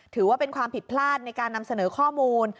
ถือว่าเป็นความผิดพลาดในการนำเสนอข้อมูล